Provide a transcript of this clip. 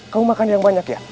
kamu makan yang banyak ya